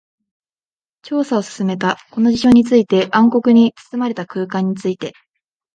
調査を進めた。この事象について、暗黒に包まれた空間について。